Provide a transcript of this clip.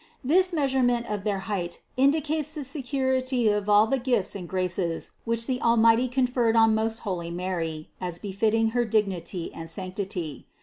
This measurement of their height indicates the security of all the gifts and graces which the Almighty conferred on most holy Mary as befitting her dignity and sanctity.